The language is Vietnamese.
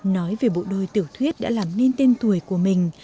nói về bộ đôi tiểu thuyết đã làm nên tên tuổi của mình